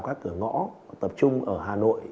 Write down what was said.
các cửa ngõ tập trung ở hà nội